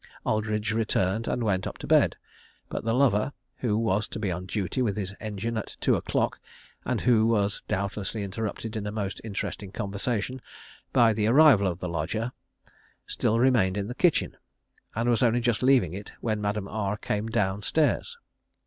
Aldridge returned and went up to bed, but the lover who was to be on duty with his engine at two o'clock, and who was doubtlessly interrupted in a most interesting conversation by the arrival of the lodger still remained in the kitchen, and was only just leaving it when Madame R came down stairs.